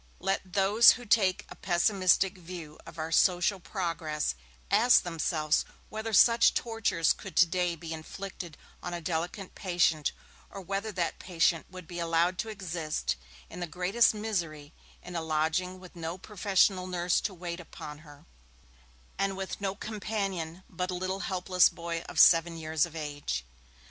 Let those who take a pessimistic view of our social progress ask themselves whether such tortures could today be inflicted on a delicate patient, or whether that patient would be allowed to exist, in the greatest misery in a lodging with no professional nurse to wait upon her, and with no companion but a little helpless boy of seven years of age.